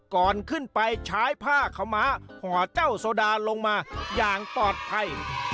ก่อนขึ้นไปใช้ผ้าขาวม้าห่อเจ้าโซดาลงมาอย่างปลอดภัย